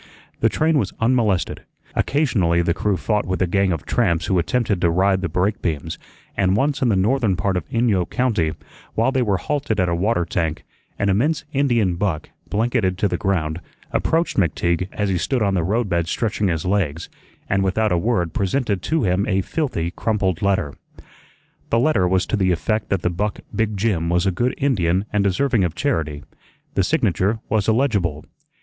The train was unmolested; occasionally the crew fought with a gang of tramps who attempted to ride the brake beams, and once in the northern part of Inyo County, while they were halted at a water tank, an immense Indian buck, blanketed to the ground, approached McTeague as he stood on the roadbed stretching his legs, and without a word presented to him a filthy, crumpled letter. The letter was to the effect that the buck Big Jim was a good Indian and deserving of charity; the signature was illegible.